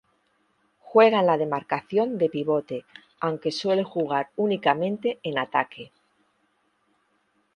Juega en la demarcación de pivote aunque suele jugar únicamente en ataque.